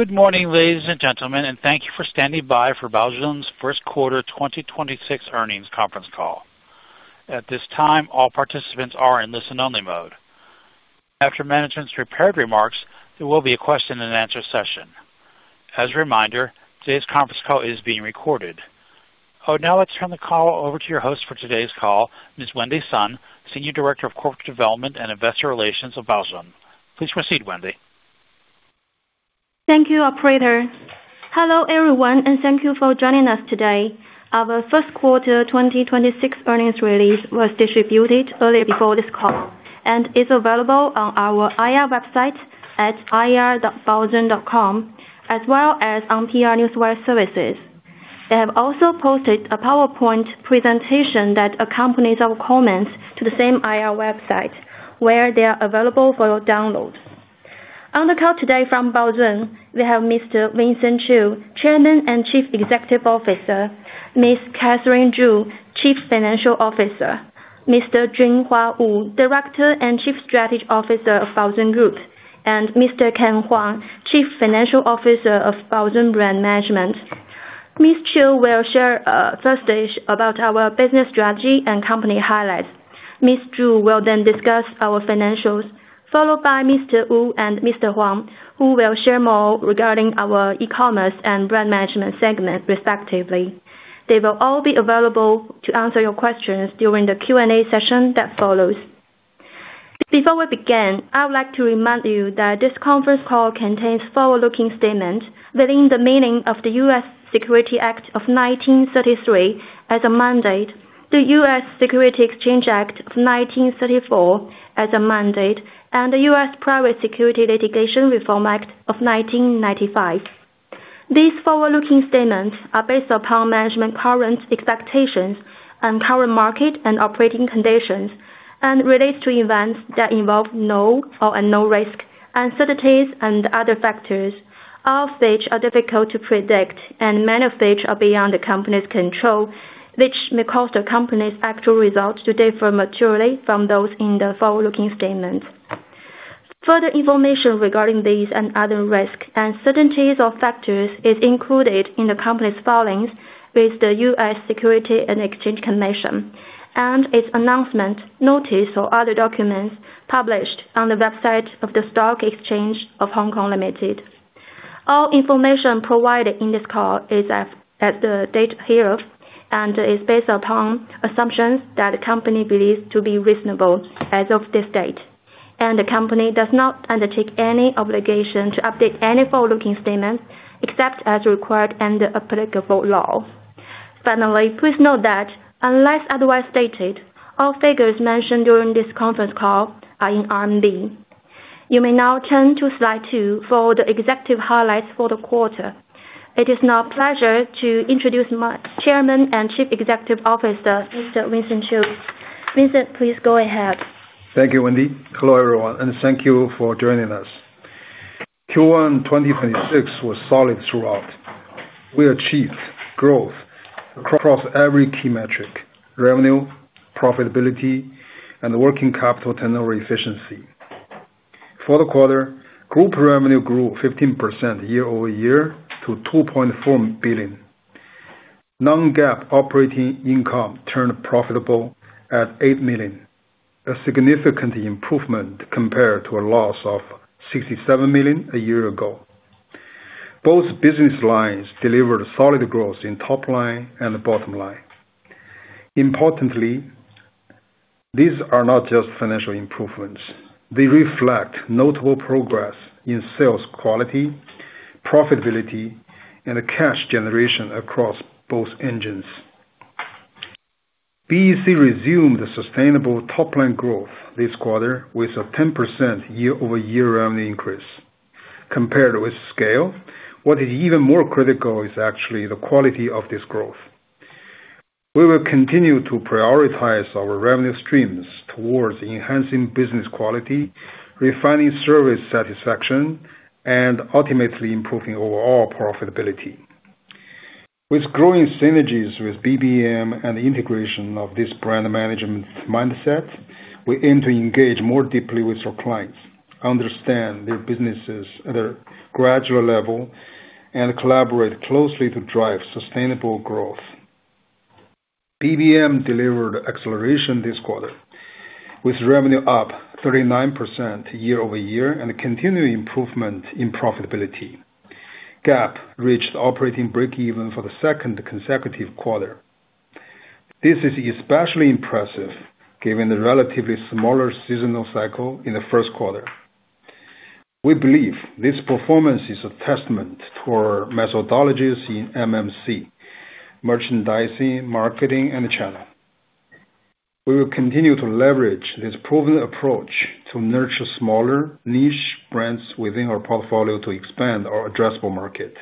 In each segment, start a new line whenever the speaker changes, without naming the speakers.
Good morning, ladies and gentlemen, and thank you for standing by for Baozun's first quarter 2026 earnings conference call. At this time, all participants are in listen only mode. After management's prepared remarks, there will be a question and answer session. As a reminder, today's conference call is being recorded. I would now like to turn the call over to your host for today's call, Ms. Wendy Sun, Senior Director of Corporate Development and Investor Relations of Baozun. Please proceed, Wendy.
Thank you, operator. Hello, everyone, and thank you for joining us today. Our first quarter 2026 earnings release was distributed earlier before this call, and is available on our IR website at ir.baozun.com, as well as on PR Newswire services. We have also posted a PowerPoint presentation that accompanies our comments to the same IR website, where they are available for download. On the call today from Baozun, we have Mr. Vincent Qiu, Chairman and Chief Executive Officer, Ms. Catherine Zhu, Chief Financial Officer, Mr. Junhua Wu, Director and Chief Strategy Officer of Baozun Group, and Mr. Ken Huang, Chief Financial Officer of Baozun Brand Management. Ms. Zhu will share first stage about our business strategy and company highlights. Ms. Zhu will then discuss our financials, followed by Mr. Wu and Mr. Huang, who will share more regarding our e-commerce and brand management segment respectively. They will all be available to answer your questions during the Q&A session that follows. Before we begin, I would like to remind you that this conference call contains forward-looking statements within the meaning of the U.S. Securities Act of 1933 as amended, the U.S. Securities Exchange Act of 1934 as amended, and the U.S. Private Securities Litigation Reform Act of 1995. These forward-looking statements are based upon management current expectations and current market and operating conditions, and relates to events that involve known or unknown risk, uncertainties, and other factors, all of which are difficult to predict and many of which are beyond the company's control, which may cause the company's actual results to differ materially from those in the forward-looking statements. Further information regarding these and other risks, uncertainties or factors is included in the company's filings with the U.S. Securities and Exchange Commission, and its announcement, notice, or other documents published on the website of The Stock Exchange of Hong Kong Limited. All information provided in this call is as of the date hereof, and is based upon assumptions that the company believes to be reasonable as of this date. The company does not undertake any obligation to update any forward-looking statements except as required under applicable law. Finally, please note that unless otherwise stated, all figures mentioned during this conference call are in RMB. You may now turn to slide two for the executive highlights for the quarter. It is now a pleasure to introduce my Chairman and Chief Executive Officer, Mr. Vincent Qiu. Vincent, please go ahead.
Thank you, Wendy. Hello, everyone, and thank you for joining us. Q1 2026 was solid throughout. We achieved growth across every key metric, revenue, profitability, and working capital tenure efficiency. For the quarter, group revenue grew 15% year-over-year to 2.4 billion. Non-GAAP operating income turned profitable at 8 million, a significant improvement compared to a loss of 67 million a year ago. Both business lines delivered solid growth in top line and bottom line. Importantly, these are not just financial improvements. They reflect notable progress in sales quality, profitability, and cash generation across both engines. BEC resumed the sustainable top line growth this quarter with a 10% year-over-year revenue increase. Compared with scale, what is even more critical is actually the quality of this growth. We will continue to prioritize our revenue streams towards enhancing business quality, refining service satisfaction, and ultimately improving overall profitability. With growing synergies with BBM and integration of this brand management mindset, we aim to engage more deeply with our clients, understand their businesses at a gradual level, and collaborate closely to drive sustainable growth. BBM delivered acceleration this quarter with revenue up 39% year-over-year and continued improvement in profitability. GAAP reached operating break-even for the second consecutive quarter. This is especially impressive given the relatively smaller seasonal cycle in the first quarter. We believe this performance is a testament to our methodologies in MMC, merchandising, marketing and channel. We will continue to leverage this proven approach to nurture smaller niche brands within our portfolio to expand our addressable market.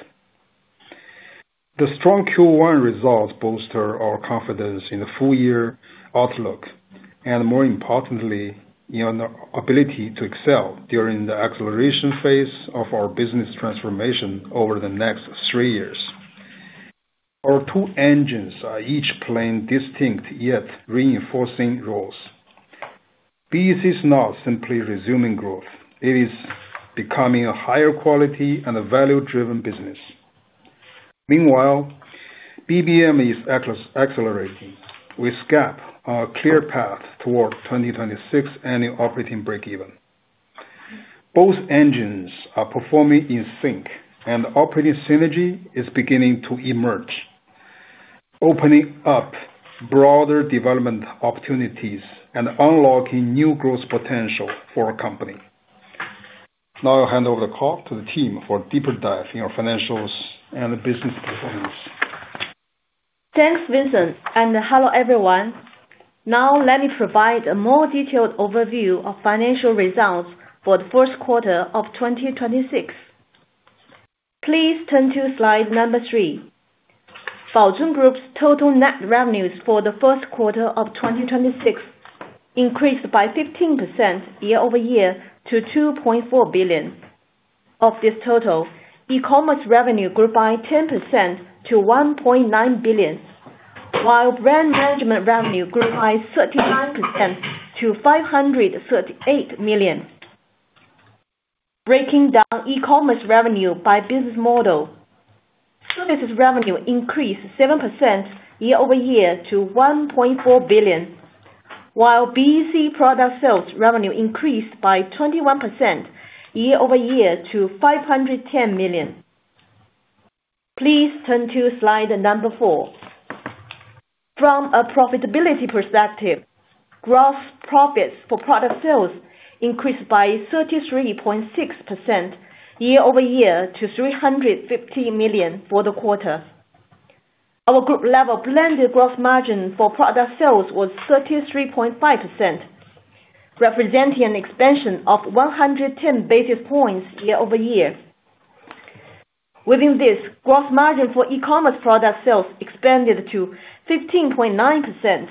The strong Q1 results bolster our confidence in the full year outlook, and more importantly, in our ability to excel during the acceleration phase of our business transformation over the next three years. Our two engines are each playing distinct yet reinforcing roles. BEC is not simply resuming growth, it is becoming a higher quality and a value-driven business. Meanwhile, BBM is accelerating with GAAP on a clear path towards 2026 annual operating break-even. Both engines are performing in sync and operating synergy is beginning to emerge, opening up broader development opportunities and unlocking new growth potential for our company. Now I'll hand over the call to the team for a deeper dive in our financials and business performance.
Thanks, Vincent, and hello, everyone. Let me provide a more detailed overview of financial results for the first quarter of 2026. Please turn to slide number three. Baozun Group's total net revenues for the first quarter of 2026 increased by 15% year-over-year to 2.4 billion. Of this total, e-commerce revenue grew by 10% to 1.9 billion, while brand management revenue grew by 39% to 538 million. Breaking down e-commerce revenue by business model. Services revenue increased 7% year-over-year to 1.4 billion, while BEC product sales revenue increased by 21% year-over-year to 510 million. Please turn to slide number four. From a profitability perspective, gross profits for product sales increased by 33.6% year-over-year to 350 million for the quarter. Our group level blended gross margin for product sales was 33.5%, representing an expansion of 110 basis points year-over-year. Within this, gross margin for e-commerce product sales expanded to 15.9%,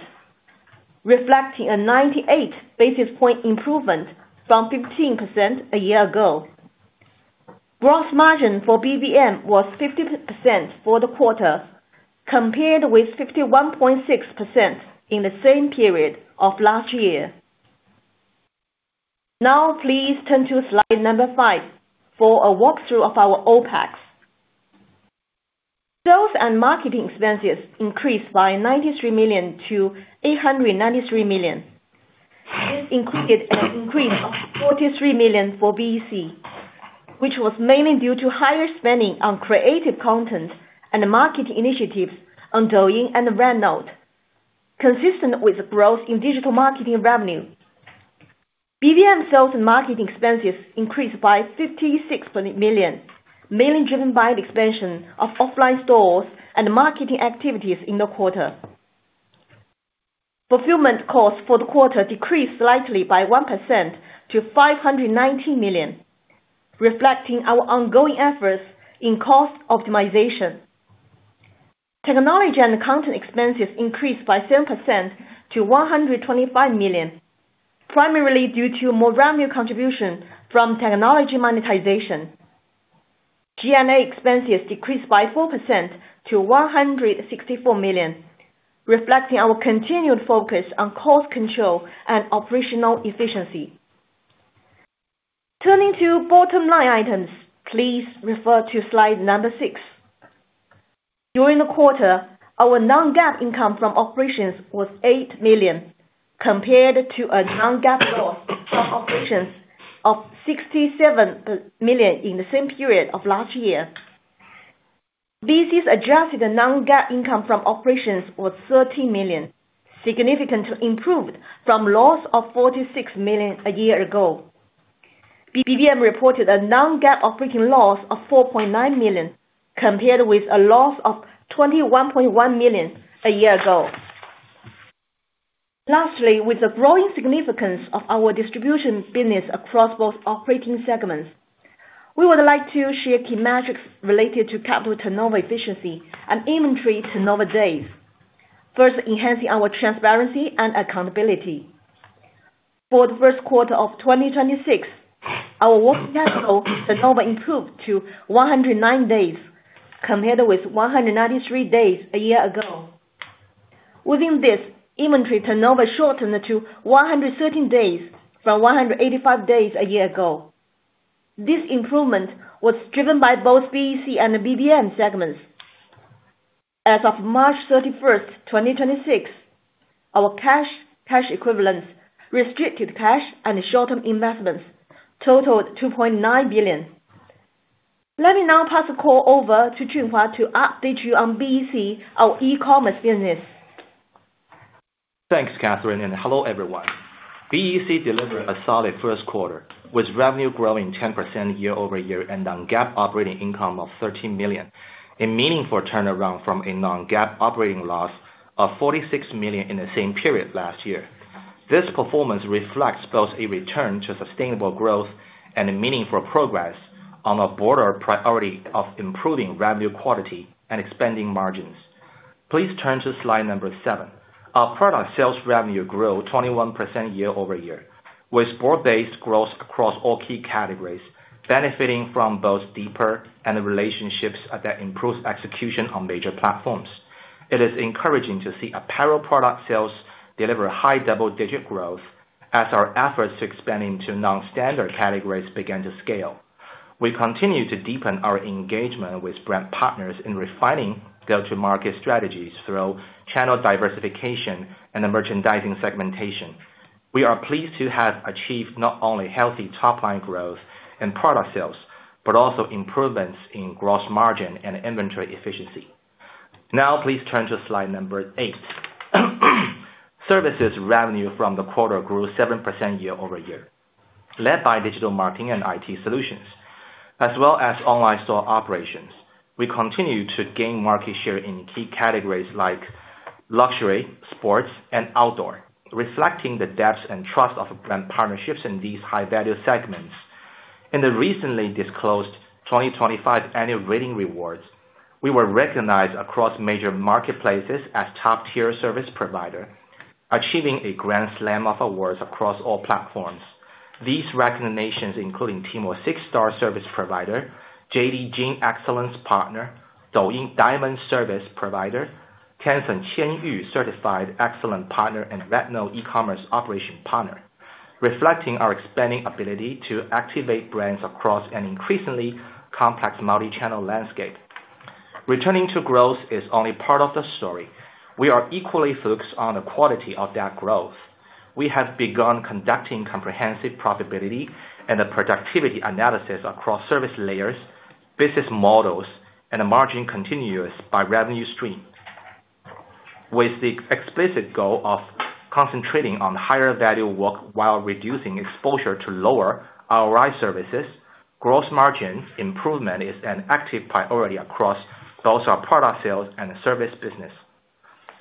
reflecting a 98 basis point improvement from 15% a year ago. Gross margin for BBM was 50% for the quarter, compared with 51.6% in the same period of last year. Now please turn to slide number five for a walkthrough of our OPEX. Sales and marketing expenses increased by 93 million to 893 million. This included an increase of 43 million for BEC, which was mainly due to higher spending on creative content and market initiatives on Douyin and VANOAD, consistent with growth in digital marketing revenue. BBM sales and marketing expenses increased by 56 million, mainly driven by the expansion of offline stores and marketing activities in the quarter. Fulfillment costs for the quarter decreased slightly by 1% to 590 million, reflecting our ongoing efforts in cost optimization. Technology and content expenses increased by 7% to 125 million, primarily due to more revenue contribution from technology monetization. G&A expenses decreased by 4% to 164 million, reflecting our continued focus on cost control and operational efficiency. Turning to bottom line items, please refer to slide number six. During the quarter, our non-GAAP income from operations was 8 million, compared to a non-GAAP loss from operations of 67 million in the same period of last year. BEC's adjusted non-GAAP income from operations was 13 million, significantly improved from loss of 46 million a year ago. BBM reported a non-GAAP operating loss of 4.9 million, compared with a loss of 21.1 million a year ago. Lastly, with the growing significance of our distribution business across both operating segments, we would like to share key metrics related to capital turnover efficiency and inventory turnover days, first enhancing our transparency and accountability. For the first quarter of 2026, our working capital turnover improved to 109 days, compared with 193 days a year ago. Within this, inventory turnover shortened to 113 days from 185 days a year ago. This improvement was driven by both BEC and the BBM segments. As of March 31, 2026, our cash equivalents, restricted cash and short-term investments totaled 2.9 billion. Let me now pass the call over to Junhua to update you on BEC, our e-commerce business.
Thanks, Catherine, and hello, everyone. BEC delivered a solid first quarter, with revenue growing 10% year-over-year and non-GAAP operating income of 13 million, a meaningful turnaround from a non-GAAP operating loss of 46 million in the same period last year. This performance reflects both a return to sustainable growth and a meaningful progress on a broader priority of improving revenue quality and expanding margins. Please turn to slide number seven. Our product sales revenue grew 21% year-over-year, with broad-based growth across all key categories, benefiting from both deeper and relationships that improves execution on major platforms. It is encouraging to see apparel product sales deliver high double-digit growth as our efforts expanding to non-standard categories begin to scale. We continue to deepen our engagement with brand partners in refining go-to-market strategies through channel diversification and merchandising segmentation. We are pleased to have achieved not only healthy top line growth and product sales, but also improvements in gross margin and inventory efficiency. Please turn to slide number eight. Services revenue from the quarter grew 7% year-over-year, led by digital marketing and IT solutions, as well as online store operations. We continue to gain market share in key categories like luxury, sports, and outdoor, reflecting the depth and trust of brand partnerships in these high-value segments. In the recently disclosed 2025 annual rating rewards, we were recognized across major marketplaces as top-tier service provider, achieving a grand slam of awards across all platforms. These recognitions including Tmall 6-star service provider, JD.com Excellence Partner, Douyin Diamond Service Provider, Tencent Qianyu certified excellent partner and Weimob e-commerce operation partner, reflecting our expanding ability to activate brands across an increasingly complex multi-channel landscape. Returning to growth is only part of the story. We are equally focused on the quality of that growth. We have begun conducting comprehensive profitability and productivity analysis across service layers, business models, and margin continuous by revenue stream. With the explicit goal of concentrating on higher value work while reducing exposure to lower ROI services, gross margin improvement is an active priority across both our product sales and service business.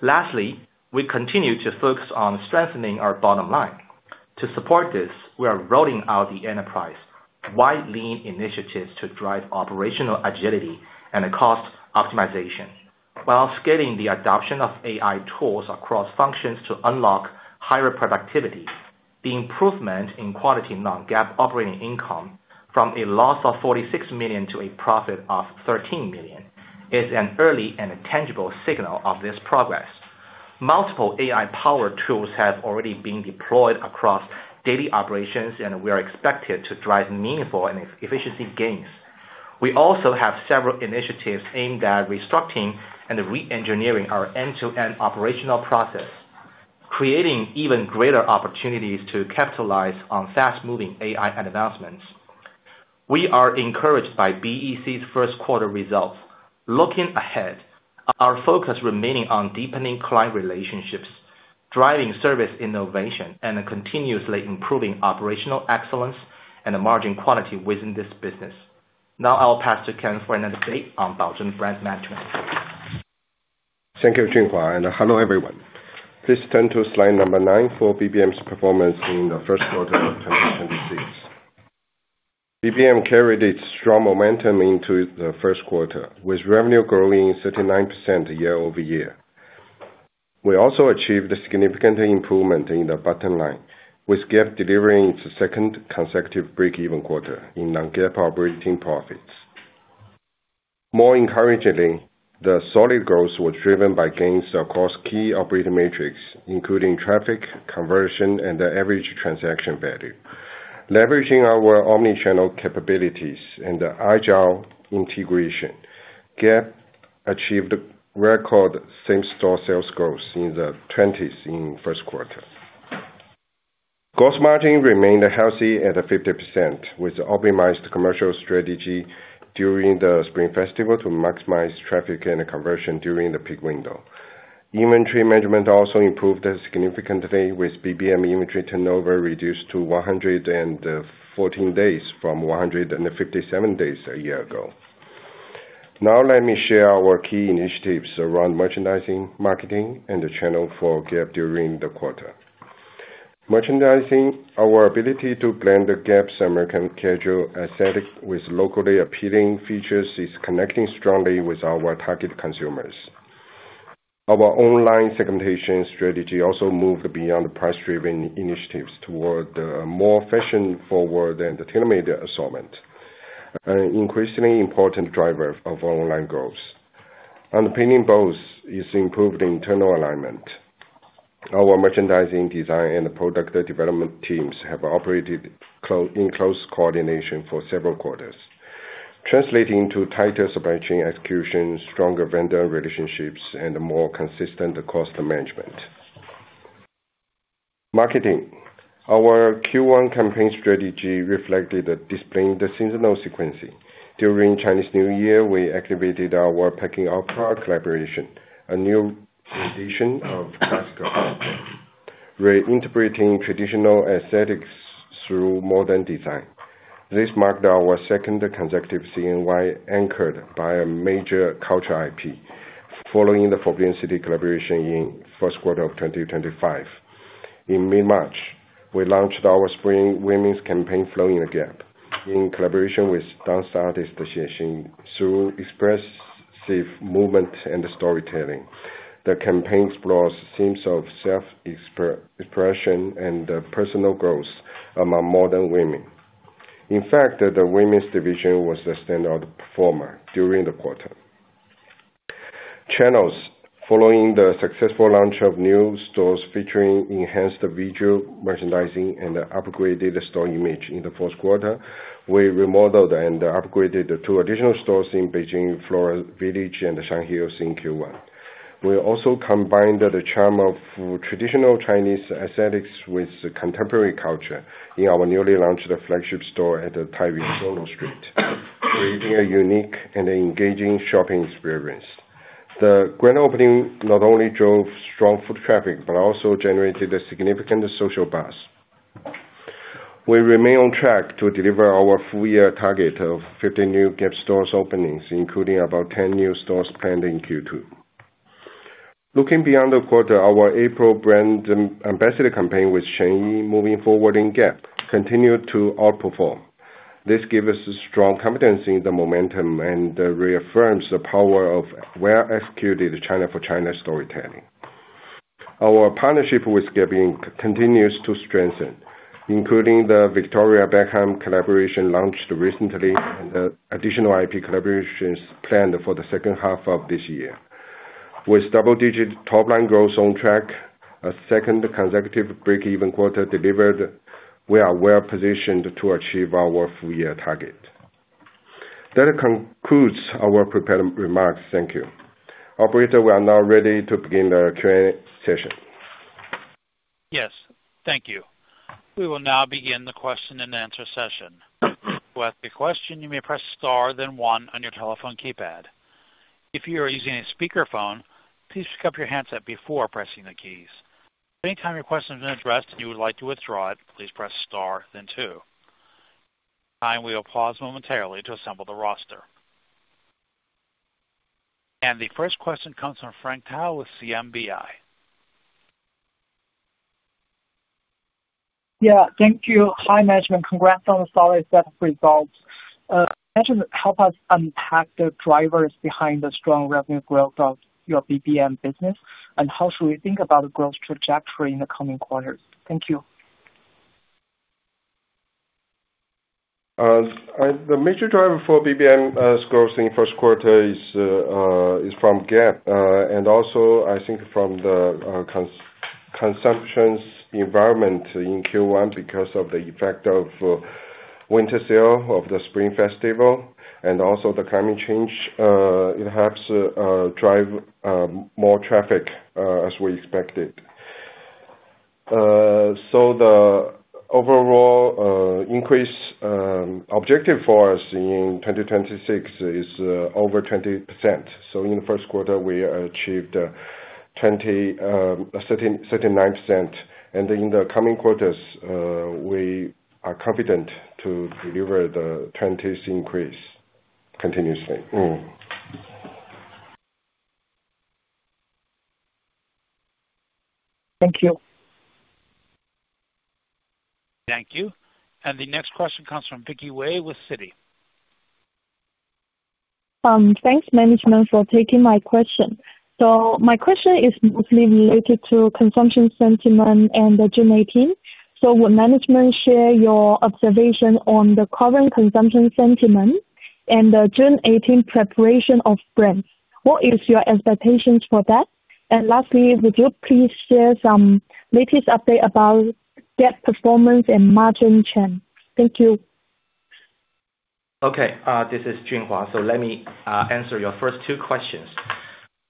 We continue to focus on strengthening our bottom line. To support this, we are rolling out enterprise-wide lean initiatives to drive operational agility and cost optimization while scaling the adoption of AI tools across functions to unlock higher productivity. The improvement in quality non-GAAP operating income from a loss of 46 million to a profit of 13 million is an early and tangible signal of this progress. Multiple AI power tools have already been deployed across daily operations. We are expected to drive meaningful and efficiency gains. We also have several initiatives aimed at restructuring and re-engineering our end-to-end operational process, creating even greater opportunities to capitalize on fast-moving AI advancements. We are encouraged by BEC's first quarter results. Looking ahead, our focus remaining on deepening client relationships, driving service innovation, and continuously improving operational excellence and the margin quality within this business. I'll pass to Ken for an update on Baozun Brand Management.
Thank you, Junhua, and hello, everyone. Please turn to slide number nine for BBM's performance in the first quarter of 2026. BBM carried its strong momentum into the first quarter, with revenue growing 39% year-over-year. We also achieved a significant improvement in the bottom line, with GAAP delivering its second consecutive break-even quarter in non-GAAP operating profits. More encouragingly, the solid growth was driven by gains across key operating metrics, including traffic, conversion, and the average transaction value. Leveraging our omni-channel capabilities and the agile integration, Gap achieved record same-store sales growth in the 20s in first quarter. Gross margin remained healthy at 50% with optimized commercial strategy during the Spring Festival to maximize traffic and conversion during the peak window. Inventory management also improved significantly with BBM inventory turnover reduced to 114 days from 157 days a year ago. Now let me share our key initiatives around merchandising, marketing and the channel for Gap during the quarter. Merchandising, our ability to blend the Gap's American casual aesthetic with locally appealing features is connecting strongly with our target consumers. Our online segmentation strategy also moved beyond price-driven initiatives toward a more fashion-forward and tailored assortment, an increasingly important driver of our online growth. Underpinning both is improved internal alignment. Our merchandising design and product development teams have operated in close coordination for several quarters, translating to tighter supply chain execution, stronger vendor relationships, and more consistent cost management. Marketing. Our Q1 campaign strategy reflected a display in the seasonal sequencing. During Chinese New Year, we activated our Peking Opera collaboration, a new tradition of classical opera, reinterpreting traditional aesthetics through modern design. This marked our second consecutive CNY anchored by a major culture IP following the Forbidden City collaboration in first quarter of 2025. In mid-March, we launched our spring women's campaign, Flow in the GAP, in collaboration with dance artist Xie Xin. Through expressive movement and storytelling, the campaign explores themes of self-expression and personal growth among modern women. In fact, the women's division was the standout performer during the quarter. Channels. Following the successful launch of new stores featuring enhanced visual merchandising and upgraded store image in the fourth quarter, we remodeled and upgraded two additional stores in Beijing Florentia Village and the Shine Hills in Q1. We also combined the charm of traditional Chinese aesthetics with contemporary culture in our newly launched flagship store at the Taikoo Li Sanlitun, creating a unique and engaging shopping experience. The grand opening not only drove strong foot traffic, but also generated a significant social buzz. We remain on track to deliver our full year target of 50 new Gap stores openings, including about 10 new stores planned in Q2. Looking beyond the quarter, our April brand ambassador campaign with Cheng Yi, Moving Forward in Gap, continued to outperform. This gives us strong confidence in the momentum and reaffirms the power of well-executed China for China storytelling. Our partnership with Gap Inc. continues to strengthen, including the Victoria Beckham collaboration launched recently and additional IP collaborations planned for the second half of this year. With double-digit top-line growth on track, a second consecutive break-even quarter delivered, we are well-positioned to achieve our full year target. That concludes our prepared remarks. Thank you. Operator, we are now ready to begin the Q&A session.
Yes. Thank you. We will now begin the question-and-answer session. To ask a question, you may press star then one on your telephone keypad. If you are using a speakerphone, please pick up your handset before pressing the keys. Any time your question has been addressed and you would like to withdraw it, please press star then two. Now we will pause momentarily to assemble the roster. The first question comes from Frank Tao with CMBI.
Yeah, thank you. Hi, management. Congrats on the solid set of results. Actually help us unpack the drivers behind the strong revenue growth of your BBM business, and how should we think about growth trajectory in the coming quarters? Thank you.
The major driver for BBM growth in first quarter is from Gap. Also I think from the consumption's environment in Q1 because of the effect of winter sale of the Spring Festival and also the climate change, it helps drive more traffic as we expected. The overall increase objective for us in 2026 is over 20%. In the first quarter, we achieved 39%. In the coming quarters, we are confident to deliver the twenties increase continuously.
Thank you.
Thank you. The next question comes from Vicky Wei with Citi.
Thanks management for taking my question. My question is mostly related to consumption sentiment and the 618. Would management share your observation on the current consumption sentiment and the 618 preparation of brands? What is your expectations for that? Lastly, would you please share some latest update about Gap performance and margin trend? Thank you.
Okay, this is Junhua. Let me answer your first two questions.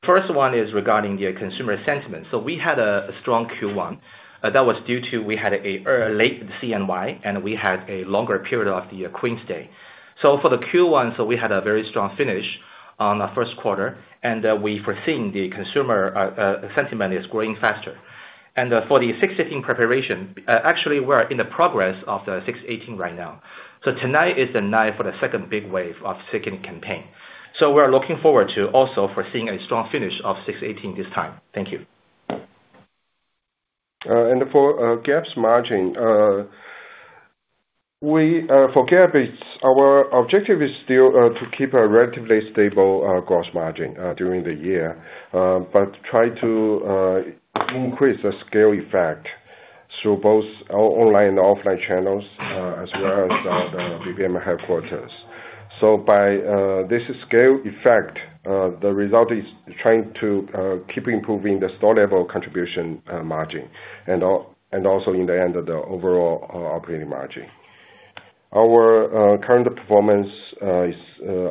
First one is regarding the consumer sentiment. We had a strong Q1 that was due to we had a late CNY, and we had a longer period of the Queen's Day. For the Q1, we had a very strong finish on the first quarter, and we foreseen the consumer sentiment is growing faster. For the 618 preparation, actually we are in the progress of the 618 right now. Tonight is the night for the second big wave of second campaign. We are looking forward to also foreseeing a strong finish of 618 this time. Thank you.
For Gap's margin, for Gap it's our objective is still to keep a relatively stable gross margin during the year. Try to increase the scale effect through both online and offline channels, as well as the BBM headquarters. By this scale effect, the result is trying to keep improving the store level contribution margin and also in the end of the overall operating margin. Our current performance is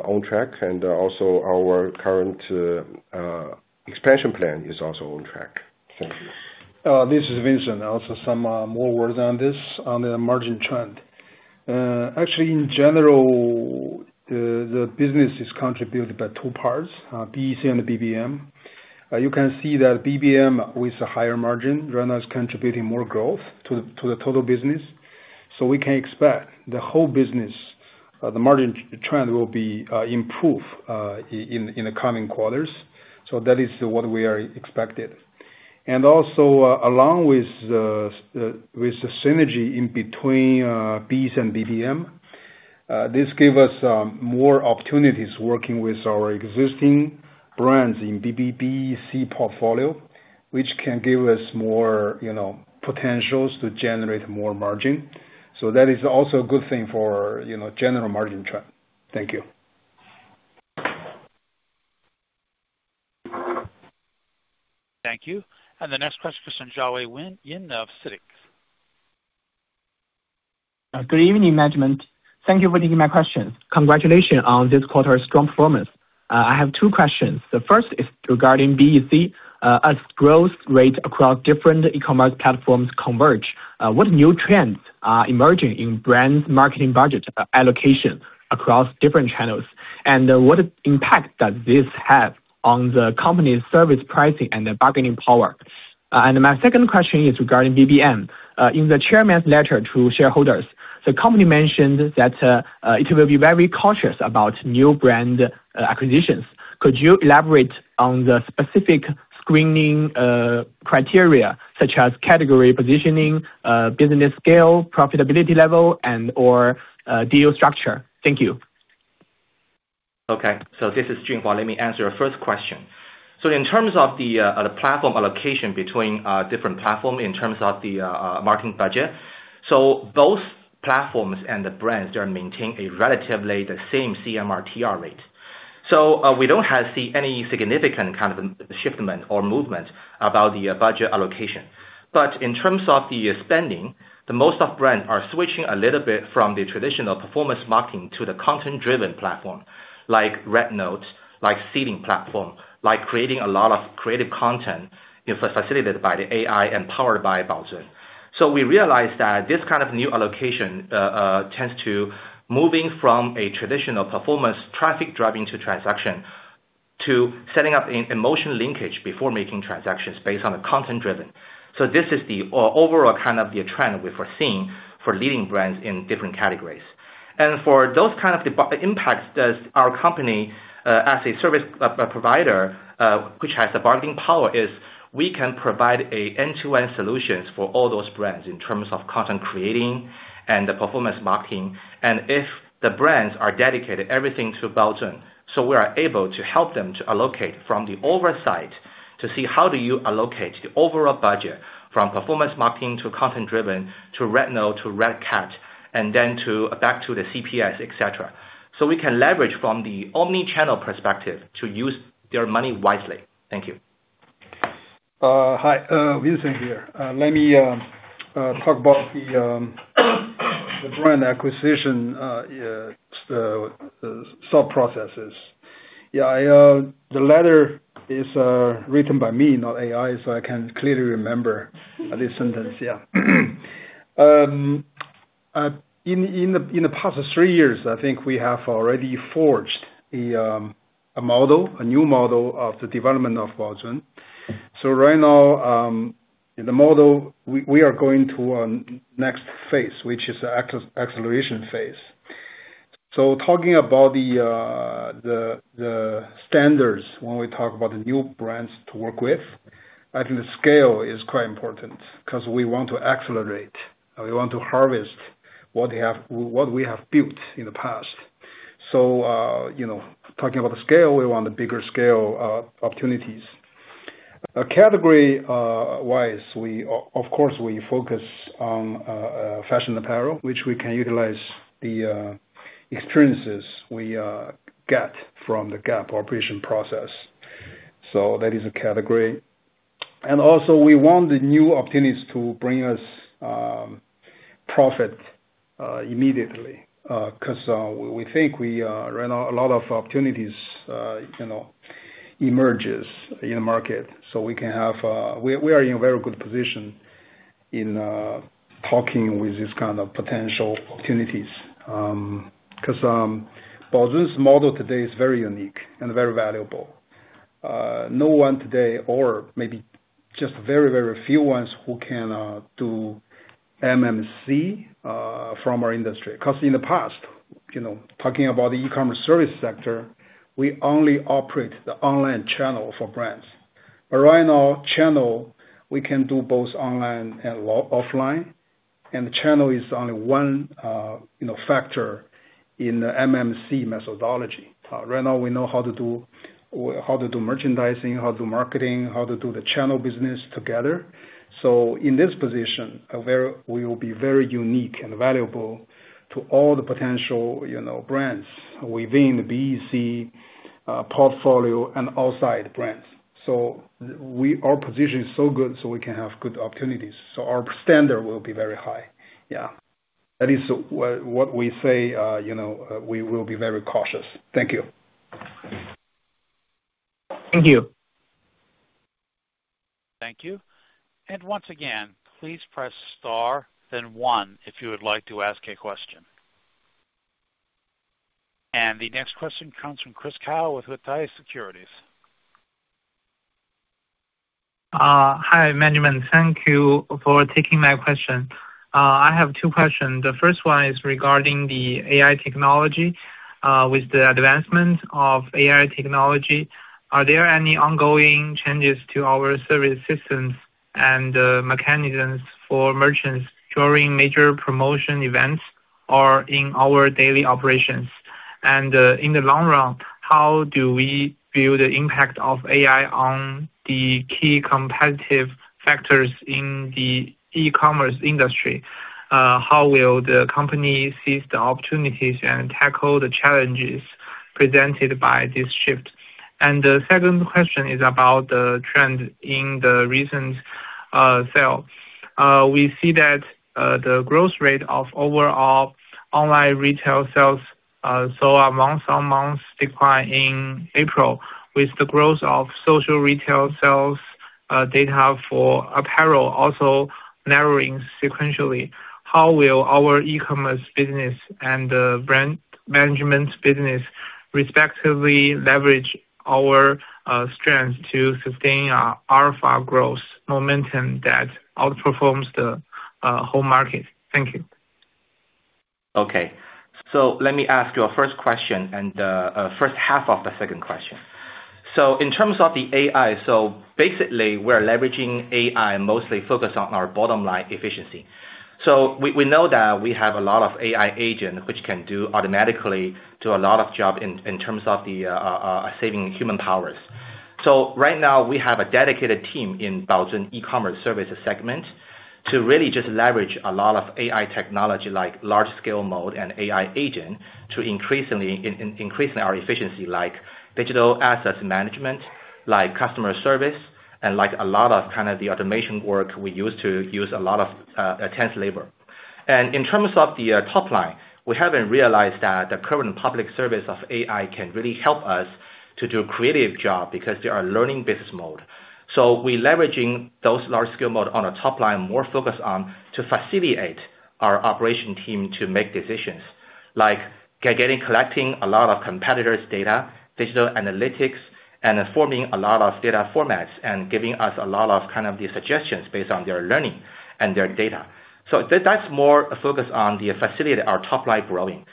on track and also our current expansion plan is also on track. Thank you.
This is Vincent. Some more words on this on the margin trend. Actually, in general, the business is contributed by two parts, BEC and BBM. You can see that BBM with a higher margin right now is contributing more growth to the total business. We can expect the whole business, the margin trend will be improved in the coming quarters. That is what we are expected. Along with the synergy in between BEC and BBM, this give us more opportunities working with our existing brands in BEC portfolio, which can give us more, you know, potentials to generate more margin. That is also a good thing for, you know, general margin trend. Thank you.
Thank you. The next question comes from Jiawei Yin of CITIC.
Good evening, management. Thank you for taking my questions. Congratulations on this quarter's strong performance. I have two questions. The first is regarding BEC. As growth rates across different e-commerce platforms converge, what new trends are emerging in brands marketing budget allocation across different channels? What impact does this have on the company's service pricing and the bargaining power? My second question is regarding BBM. In the chairman's letter to shareholders, the company mentioned that it will be very cautious about new brand acquisitions. Could you elaborate on the specific screening criteria such as category positioning, business scale, profitability level, and/or deal structure? Thank you.
Okay, this is Junhua. Let me answer your first question. In terms of the platform allocation between different platform in terms of the marketing budget. Both platforms and the brands are maintain a relatively the same CMRTR rate. We don't have see any significant kind of shipment or movement about the budget allocation. In terms of the spending, the most of brand are switching a little bit from the traditional performance marketing to the content-driven platform, like RedNote, like seeding platform, like creating a lot of creative content, you know, facilitated by the AI and powered by Baozun. We realized that this kind of new allocation tends to moving from a traditional performance traffic driving to transaction, to setting up an emotion linkage before making transactions based on the content-driven. This is the overall kind of the trend we're foreseeing for leading brands in different categories. For those kind of the impacts does our company, as a service provider, which has the bargaining power, is we can provide an end-to-end solutions for all those brands in terms of content creating and the performance marketing. If the brands are dedicated everything to Baozun, we are able to help them to allocate from the oversight to see how do you allocate the overall budget from performance marketing, to content-driven, to RedNote, to RedNote, and then to back to the CPS, et cetera. We can leverage from the omni-channel perspective to use their money wisely. Thank you.
Vincent here. Let me talk about the brand acquisition sub-processes. I, the letter is written by me, not AI, so I can clearly remember this sentence. In the past three years, I think we have already forged a model, a new model of the development of Baozun. Right now, the model, we are going to next phase, which is the acceleration phase. Talking about the standards when we talk about the new brands to work with, I think the scale is quite important 'cause we want to accelerate. We want to harvest what they have, what we have built in the past. You know, talking about the scale, we want the bigger scale opportunities. Category wise, we of course, we focus on fashion apparel, which we can utilize the experiences we get from the Gap operation process. That is a category. Also, we want the new opportunities to bring us profit immediately 'cause we think we right now a lot of opportunities, you know, emerges in the market. We are in a very good position in talking with this kind of potential opportunities. 'Cause Baozun's model today is very unique and very valuable. No one today, or maybe just very, very few ones who can do MMC from our industry. 'Cause in the past, you know, talking about the e-commerce service sector, we only operate the online channel for brands. Right now, channel, we can do both online and offline, and the channel is only one, you know, factor in the MMC methodology. Right now, we know how to do merchandising, how to do marketing, how to do the channel business together. In this position, where we will be very unique and valuable to all the potential, you know, brands within the BEC portfolio and outside brands. Our position is so good, so we can have good opportunities. Our standard will be very high. Yeah. At least what we say, you know, we will be very cautious. Thank you.
Thank you.
Thank you. Once again, please press star then one if you would like to ask a question. The next question comes from Chris Cao with Huatai Securities.
Hi management. Thank you for taking my question. I have two questions. The first one is regarding the AI technology. With the advancement of AI technology, are there any ongoing changes to our service systems and mechanisms for merchants during major promotion events or in our daily operations? In the long run, how do we view the impact of AI on the key competitive factors in the e-commerce industry? How will the company seize the opportunities and tackle the challenges presented by this shift? The second question is about the trend in the recent sale. We see that the growth rate of overall online retail sales saw a month-on-month decline in April, with the growth of social retail sales data for apparel also narrowing sequentially. How will our e-commerce business and the brand management business respectively leverage our strength to sustain our far growth momentum that outperforms the whole market? Thank you.
Okay. Let me ask your first question and first half of the second question. In terms of the AI, we're leveraging AI mostly focused on our bottom line efficiency. We know that we have a lot of AI agent which can do automatically a lot of job in terms of saving human powers. Right now we have a dedicated team in Baozun E-Commerce services segment to really just leverage a lot of AI technology like large scale mode and AI agent to increasing our efficiency like digital asset management, like customer service, and like a lot of kind of the automation work we used to use a lot of intense labor. In terms of the top line, we haven't realized that the current public service of AI can really help us to do a creative job because they are learning business mode. We leveraging those large scale mode on a top line, more focused on to facilitate our operation team to make decisions. Like collecting a lot of competitors' data, digital analytics, and forming a lot of data formats and giving us a lot of kind of the suggestions based on their learning and their data. That's more focused on the facilitate our top line growing.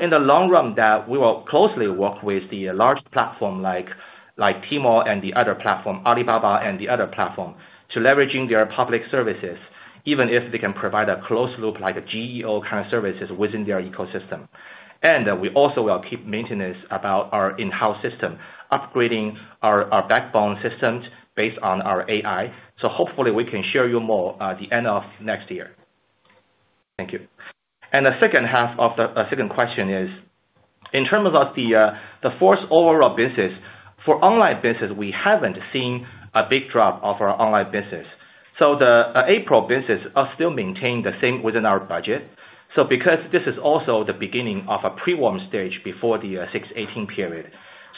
In the long run that we will closely work with the large platform like Tmall and the other platform, Alibaba and the other platform, to leveraging their public services, even if they can provide a closed loop like a GEO kind of services within their ecosystem. We also will keep maintenance about our in-house system, upgrading our backbone systems based on our AI. Hopefully we can share you more the end of next year. Thank you. The second half of the second question is, in terms of the full overall business, for online business we haven't seen a big drop of our online business. The April business are still maintained the same within our budget. Because this is also the beginning of a pre-warm stage before the 618 period.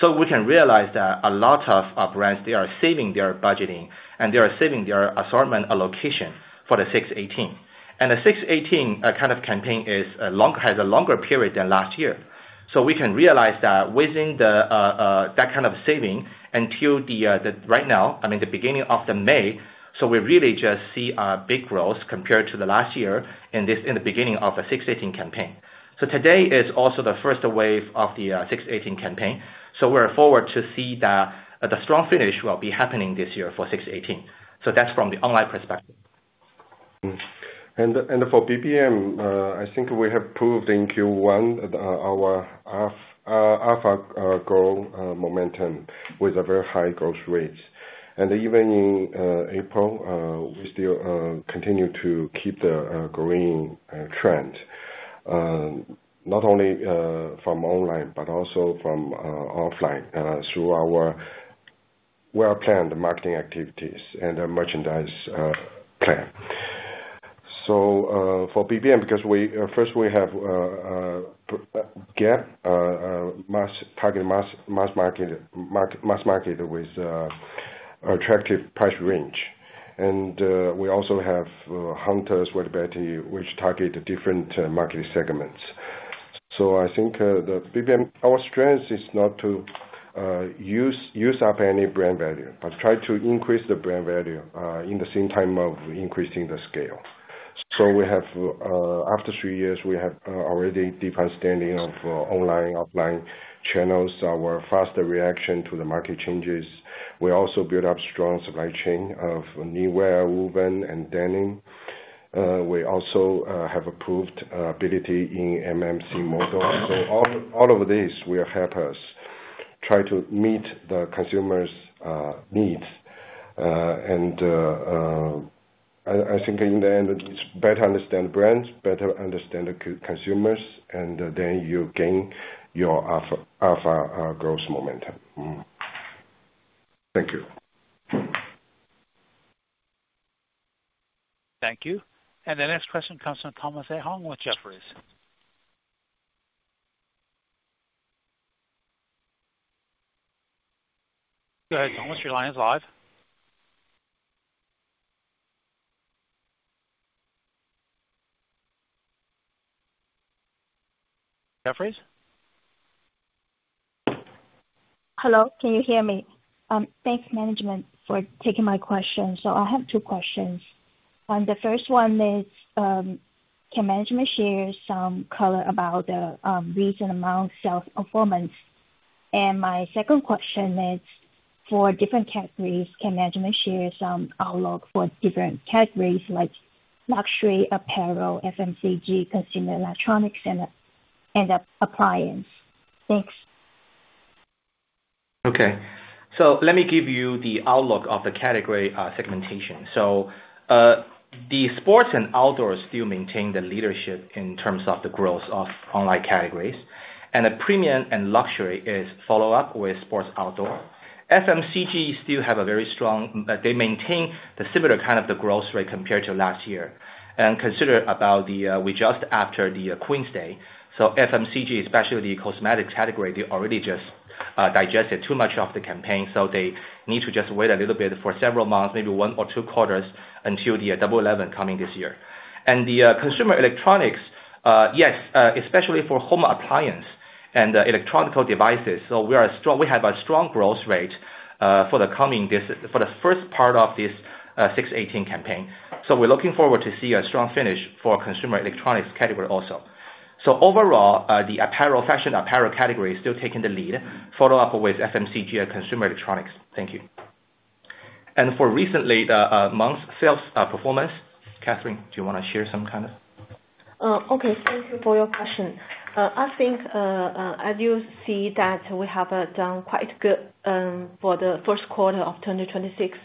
We can realize that a lot of our brands, they are saving their budgeting, and they are saving their assortment allocation for the 618. The 618 kind of campaign has a longer period than last year. We can realize that within that kind of saving until right now, I mean, the beginning of May, we really just see a big growth compared to the last year in this, in the beginning of the 618 campaign. Today is also the first wave of the 618 campaign. We're forward to see the strong finish will be happening this year for 618. That's from the online perspective.
For BBM, I think we have proved in Q1 that our alpha grow momentum with a very high growth rates. Even in April, we still continue to keep the growing trend. Not only from online, but also from offline, through our well-planned marketing activities and our merchandise plan. For BBM, because we first we have Gap target mass market with attractive price range. We also have Hunter, Sweaty Betty, which target different market segments. I think the BBM, our strength is not to use up any brand value, but try to increase the brand value in the same time of increasing the scale. We have, after three years, we have already deep understanding of online/offline channels. Our faster reaction to the market changes. We also build up strong supply chain of anywhere woven and denim. We also have approved ability in MMC model. All of these will help us try to meet the consumers needs. I think in the end it's better understand brands, better understand the consumers, and then you gain your alpha growth momentum. Thank you.
Thank you. The next question comes from Thomas Chong with Jefferies. Go ahead, Thomas, your line is live. Jefferies?
Hello, can you hear me? Thanks Management for taking my question. I have two questions. The first one is, can Management share some color about the recent amount sales performance? My second question is for different categories, can Management share some outlook for different categories like luxury apparel, FMCG, consumer electronics, and appliance? Thanks.
Okay. Let me give you the outlook of the category segmentation. The premium and luxury is follow up with sports outdoor. FMCG maintain the similar kind of the growth rate compared to last year. Consider about the, we just after the Queen's Day. FMCG, especially the cosmetic category, they already just digested too much of the campaign, so they need to just wait a little bit for several months, maybe one or two quarters until the Double Eleven coming this year. The consumer electronics, especially for home appliance and electronic devices. We have a strong growth rate for the first part of this 618 campaign. We're looking forward to see a strong finish for consumer electronics category also. Overall, the apparel, fashion apparel category is still taking the lead follow up with FMCG and consumer electronics. Thank you. For recently the month's sales performance, Catherine, do you wanna share some kind of?
Okay. Thank you for your question. I think, as you see that we have done quite good for the first quarter of 2026.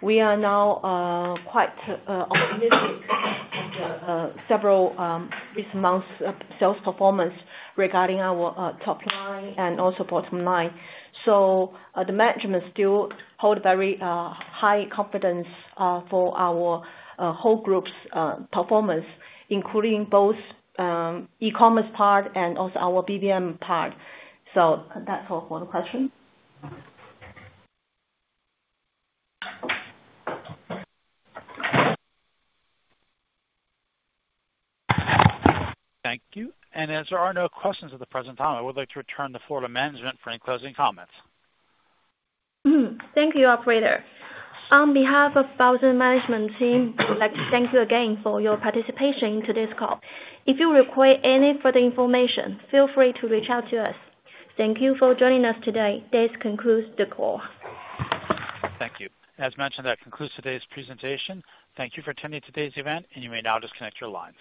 We are now quite optimistic with the several this month's sales performance regarding our top line and also bottom line. The management still hold very high confidence for our whole group's performance, including both e-commerce part and also our BBM part. That's all for the question.
Thank you. As there are no questions at the present time, I would like to return the floor to management for any closing comments.
Thank you, operator. On behalf of Baozun management team, we'd like to thank you again for your participation in today's call. If you require any further information, feel free to reach out to us. Thank you for joining us today. This concludes the call.
Thank you. As mentioned, that concludes today's presentation. Thank you for attending today's event. You may now disconnect your lines.